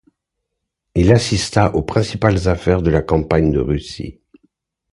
Il assista aux principales affaires de la campagne de Russie.